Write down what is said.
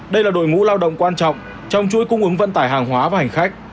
đây là đội ngũ lao động quan trọng trong chuỗi cung ứng vận tải hàng hóa và hành khách